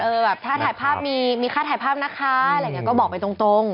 แบบถ้าถ่ายภาพมีมีค่าถ่ายภาพนะคะอะไรอย่างนี้ก็บอกไปตรงตรง